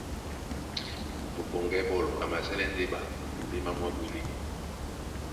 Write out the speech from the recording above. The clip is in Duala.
Mupɔŋgɛ́ ɓɔ́lɔ a masɛ́lɛ́ ɓa muléma mwá ɓwelé.